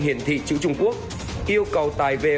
hiển thị chữ trung quốc yêu cầu tài về